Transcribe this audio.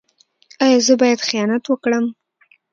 ایا زه باید خیانت وکړم؟